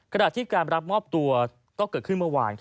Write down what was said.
ขณะที่การรับมอบตัวก็เกิดขึ้นเมื่อวาน